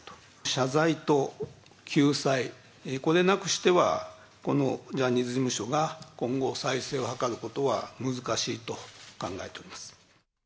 謝罪と救済、これなくしては、このジャニーズ事務所が今後、再生を図ることは難しいと考えております。